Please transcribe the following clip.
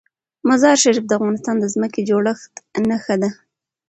مزارشریف د افغانستان د ځمکې د جوړښت نښه ده.